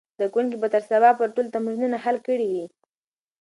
زده کوونکي به تر سبا پورې ټول تمرینونه حل کړي وي.